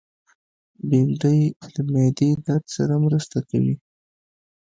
بېنډۍ له معدې درد سره مرسته کوي